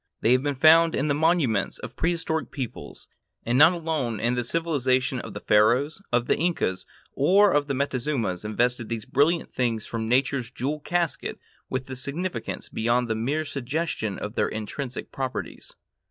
They have been found in the monuments of prehistoric peoples, and not alone the civilization of the Pharaohs, of the Incas, or of the Montezumas invested these brilliant things from Nature's jewel casket with a significance beyond the mere suggestion of their intrinsic properties.